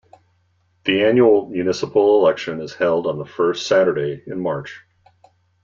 The Annual Municipal Election is held on the first Saturday in March.